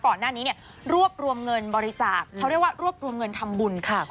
ก่อนหน้านี้เนี่ยรวบรวมเงินบริจาคเขาเรียกว่ารวบรวมเงินทำบุญค่ะ